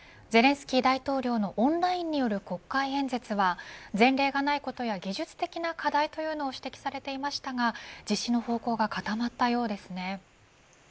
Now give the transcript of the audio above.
ゼレンスキー大統領のオンラインによる国会演説は前例がないことや、技術的な課題というのを指摘されていましたが実施の方向が固まったようですね。